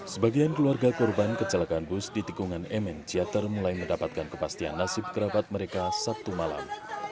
sebagian keluarga korban kecelakaan bus di tikungan mn ciater mulai mendapatkan kepastian nasib kerabat mereka sabtu malam